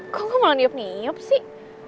kok lo malah nge nyep nyep sih